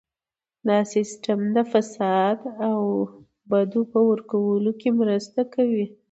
دا سیستم د فساد او بډو په ورکولو کې مرسته کوي.